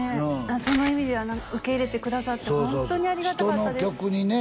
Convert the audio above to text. その意味では受け入れてくださってホントにありがたかったです人の局にね